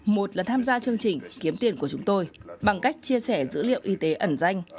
một là tham gia chương trình kiếm tiền của chúng tôi bằng cách chia sẻ dữ liệu y tế ẩn danh